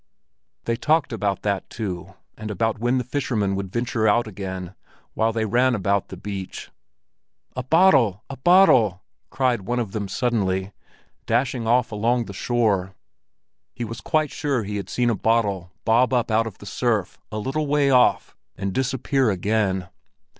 They talked about that, too, and about when the fishermen would venture out again, while they ran about the beach. "A bottle, a bottle!" cried one of them suddenly, dashing off along the shore; he was quite sure he had seen a bottle bob up out of the surf a little way off, and disappear again.